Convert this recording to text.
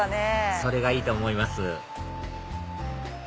それがいいと思います